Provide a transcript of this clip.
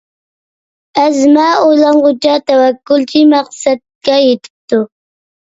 ئەزمە ئويلانغۇچە، تەۋەككۈلچى مەقسەتكە يېتىپتۇ.